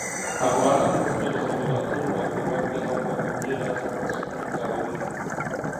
افغانان پښتو د خبرو اترو، راکړې ورکړې، او فرهنګي راشه درشه کې کاروي.